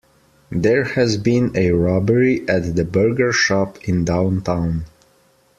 There has been a robbery at the burger shop in downtown.